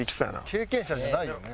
経験者じゃないよね？